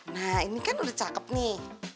nah ini kan udah cakep nih